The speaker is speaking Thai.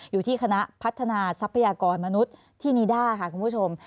อยู่ที่คณะพัฒนาทรัพยากรมนุษย์ที่นิด้าค่ะคุณผู้ชม